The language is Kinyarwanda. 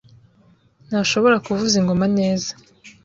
ntashobora kuvuza ingoma neza.